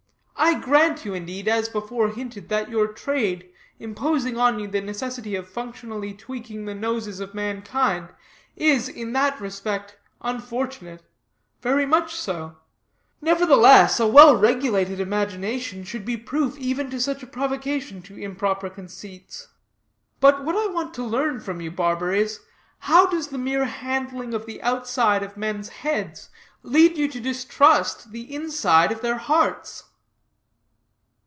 I grant you, indeed, as before hinted, that your trade, imposing on you the necessity of functionally tweaking the noses of mankind, is, in that respect, unfortunate, very much so; nevertheless, a well regulated imagination should be proof even to such a provocation to improper conceits. But what I want to learn from you, barber, is, how does the mere handling of the outside of men's heads lead you to distrust the inside of their hearts?